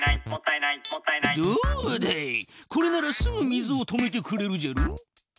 これならすぐ水を止めてくれるじゃろ。